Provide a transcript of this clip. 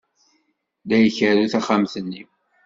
La ikerru taxxamt-nni.